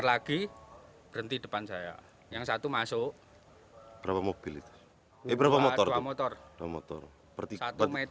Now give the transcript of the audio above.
langsung sampai ditabrak